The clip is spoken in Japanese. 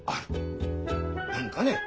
何かねえ？